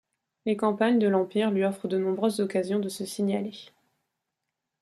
Les campagnes de l'Empire lui offrent de nombreuses occasions de se signaler.